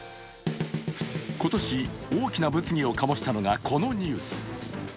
今年大きな物議を醸したのがこのニュース。